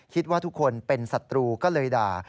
คิดว่าทุกคนเป็นศัตรูก็เลยด่า